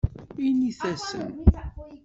Init-asen.